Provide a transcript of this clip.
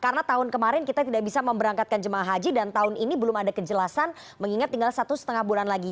karena tahun kemarin kita tidak bisa memberangkatkan jemaah haji dan tahun ini belum ada kejelasan mengingat tinggal satu setengah bulan lagi